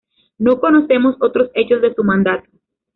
No conocemos otros hechos de su mandato.